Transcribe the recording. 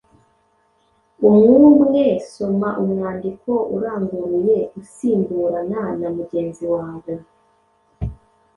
Umwumwe soma umwandiko uranguruye, usimburana na mugenzi wawe